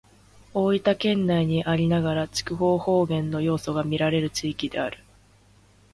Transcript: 大分県内にありながら肥筑方言の要素がみられる地域である。